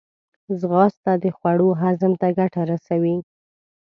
ځغاسته د خوړو هضم ته ګټه رسوي